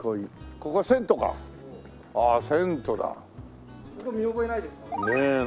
ここ見覚えないですか？